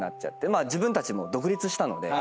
まあ自分たちも独立したので。